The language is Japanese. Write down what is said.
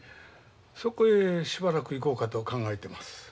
そこへしばらく行こうかと考えてます。